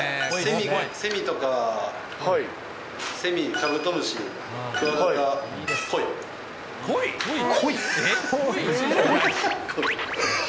セミとか、セミ、カブトムシ、コイ？